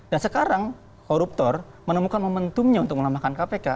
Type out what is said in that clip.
dan sekarang koruptor menemukan momentumnya untuk melemahkan kpk